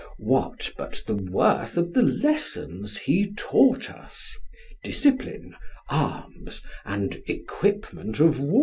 What, but the worth of the lessons he taught us Discipline, arms, and equipment of war?"